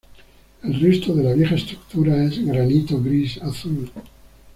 El resto de la vieja estructura es granito gris-azul.